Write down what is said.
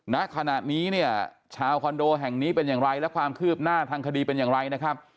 ณขณะนี้เนี่ยชาวคอนโดแห่งนี้เป็นอย่างไรและความคืบหน้าทางคดีเป็นอย่างไรนะครับ